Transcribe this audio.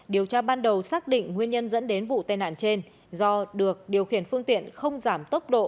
điều tra ban đầu xác định nguyên nhân dẫn đến vụ tai nạn trên do được điều khiển phương tiện không giảm tốc độ